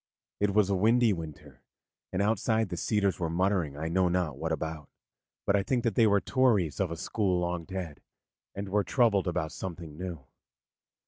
It was a windy winter, and outside the cedars were muttering I know not what about; but I think that they were Tories of a school long dead, and were troubled about something new.